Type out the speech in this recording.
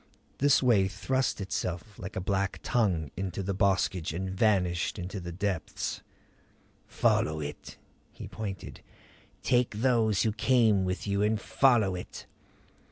This way thrust itself like a black tongue into the boskage and vanished in the depths. "Follow it." He pointed. "Take those who came with you and follow it."